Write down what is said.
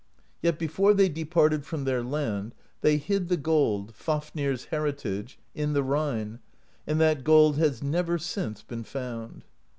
Yet before they departed from their land, they hid the gold, Fafnir's heritage, in the Rhine, and that gold has never since been found.